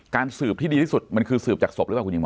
สืบที่ดีที่สุดมันคือสืบจากศพหรือเปล่าคุณหญิงหมอ